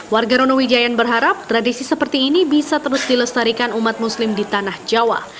warga rono wijayan berharap tradisi seperti ini bisa terus dilestarikan umat muslim di tanah jawa